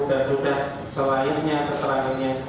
dan sudah selainnya keteranginnya